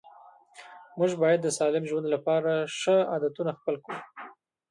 موږ باید د سالم ژوند لپاره ښه عادتونه خپل کړو